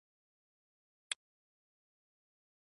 هغوی ممکن د منفي مالیاتو په ډول سره پیسې ورکړي.